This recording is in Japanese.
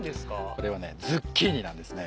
これはズッキーニなんですね。